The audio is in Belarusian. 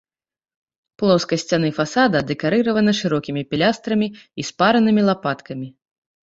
Плоскасць сцяны фасада дэкарыравана шырокімі пілястрамі і спаранымі лапаткамі.